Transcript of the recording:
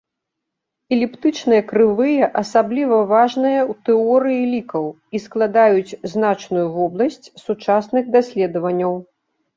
Эліптычныя крывыя асабліва важныя ў тэорыі лікаў і складаюць значную вобласць сучасных даследаванняў.